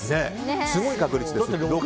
すごい確率ですよ。